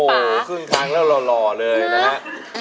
โอ้โฮครึ่งทางแล้วเราหล่อเลยนะครับ